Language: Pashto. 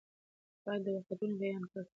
باید دا واقعیتونه بیان کړو.